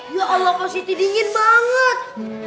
ya allah kasih dingin banget